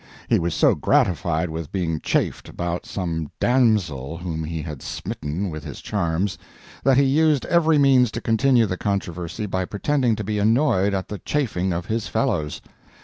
He was so gratified with being chaffed about some damsel whom he had smitten, with his charms, that he used every means to continue the controversy by pretending to be annoyed at the chaffings of his fellows.